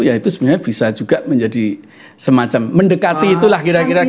ya itu sebenarnya bisa juga menjadi semacam mendekati itulah kira kira